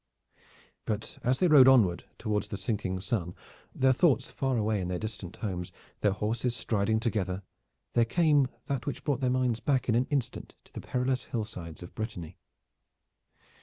But as they rode onward towards the sinking sun, their thoughts far away in their distant homes, their horses striding together, there came that which brought their minds back in an instant to the perilous hillsides of Brittany.